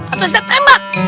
atau saya tembak